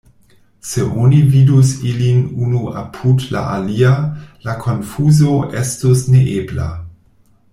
Se oni vidus ilin unu apud la alia, la konfuzo estus neebla.